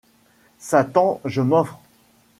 Satan ! je m’offre